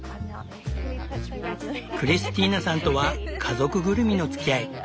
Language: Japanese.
クリスティーナさんとは家族ぐるみのつきあい。